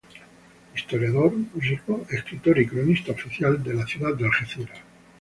Historiador, músico, escritor y cronista oficial de la ciudad de Algeciras.